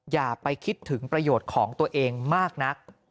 อย่าไปคิดถึงประโยชน์ของตัวเองมากนัก